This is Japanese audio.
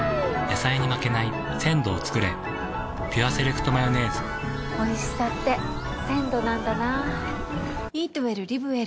野菜に負けない鮮度をつくれ「ピュアセレクトマヨネーズ」おいしさって鮮度なんだな。